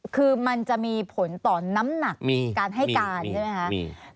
คือมันจะมีผลต่อน้ำหนักมีการให้การใช่ไหมคะ